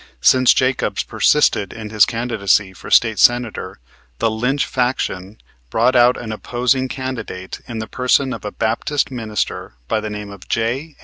Since Jacobs persisted in his candidacy for State Senator the Lynch faction brought out an opposing candidate in the person of a Baptist minister by the name of J.